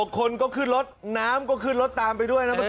คนก็ขึ้นรถน้ำก็ขึ้นรถตามไปด้วยนะเมื่อก